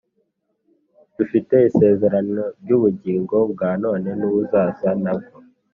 dufite isezerano ry'ubugingo bwa none n'ubuzaza na bwo.